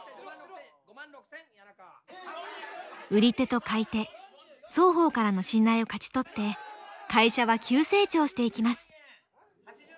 売り手と買い手双方からの信頼を勝ち取って会社は急成長していきます。